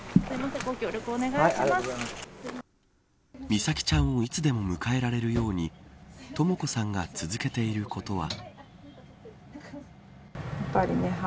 美咲ちゃんをいつでも迎えられるようにとも子さんが続けていることは。